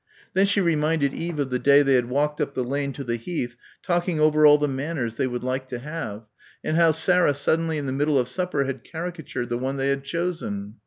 '" Then she reminded Eve of the day they had walked up the lane to the Heath talking over all the manners they would like to have and how Sarah suddenly in the middle of supper had caricatured the one they had chosen.